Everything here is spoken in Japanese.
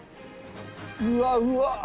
うわうわっ！